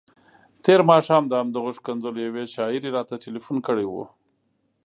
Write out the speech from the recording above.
تېر ماښام د همدغو ښکنځلو یوې شاعرې راته تلیفون کړی وو.